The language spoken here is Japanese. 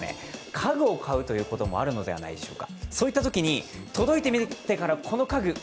家具を買うこともあるのではないでしょうか。